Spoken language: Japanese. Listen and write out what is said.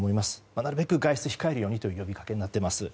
なるべく外出を控えるようにという呼びかけになっています。